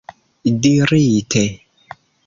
dirite